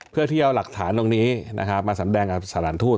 เพื่อที่เอาหลักฐานตรงนี้มาสำแดงกับสถานทูต